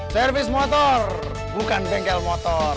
servis motor bukan bengkel motor